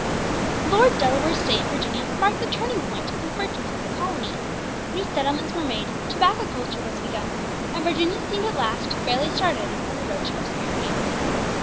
Lord Delaware's stay in Virginia marked the turning point in the fortunes of the colony. New settlements were made, tobacco culture was begun, and Virginia seemed at last fairly started on the road to prosperity.